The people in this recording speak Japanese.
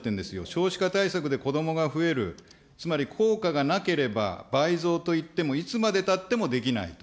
少子化対策で子どもが増える、つまり効果がなければ倍増といってもいつまでたってもできないと。